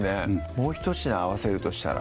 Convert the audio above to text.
もうひと品合わせるとしたら？